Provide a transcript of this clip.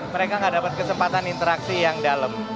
mereka nggak dapat kesempatan interaksi yang dalam